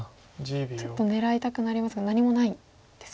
ちょっと狙いたくなりますが何もないんですか。